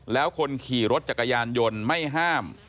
แล้วคนขี่รถจักรยานยนต์ไม่ห้าม